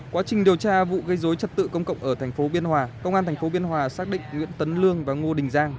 quá trình điều tra vụ gây dối chất tự công cộng ở thành phố biên hòa công an thành phố biên hòa xác định nguyễn tấn lương và ngo đình giang